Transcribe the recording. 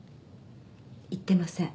行ってません。